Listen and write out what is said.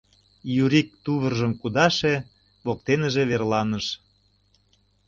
Юрик тувыржым кудаше, воктеныже верланыш.